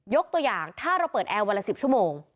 ตัวอย่างถ้าเราเปิดแอร์วันละ๑๐ชั่วโมง